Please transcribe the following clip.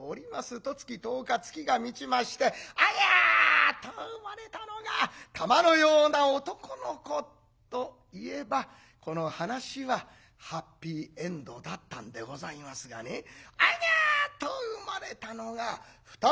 十月十日月が満ちまして「おぎゃ」と生まれたのが玉のような男の子と言えばこの話はハッピーエンドだったんでございますがね「おぎゃ」と生まれたのが二目と見られぬ女の子。